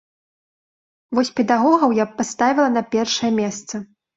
Вось педагогаў я б паставіла на першае месца.